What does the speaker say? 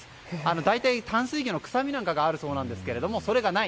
大体、淡水魚の臭みなんかがあるそうですがそれがない。